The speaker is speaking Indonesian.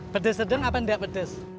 pedes sedeng apa enggak pedes